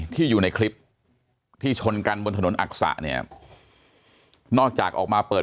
ที่อยู่ในคลิปที่ชนกันบนถนนอักษะเนี่ยนอกจากออกมาเปิด